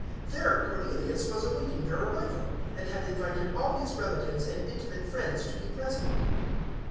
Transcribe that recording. There Cornelius was awaiting their arrival, and had invited all his relatives and intimate friends to be present.